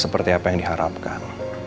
seperti apa yang diharapkan